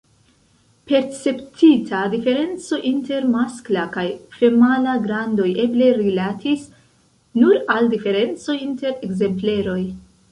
Perceptita diferenco inter maskla kaj femala grandoj eble rilatis nur al diferencoj inter ekzempleroj.